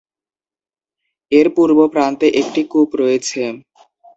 এর পূর্ব প্রান্তে একটি কূপ রয়েছে।